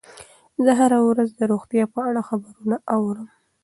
زه هره ورځ د روغتیا په اړه خبرونه اورم.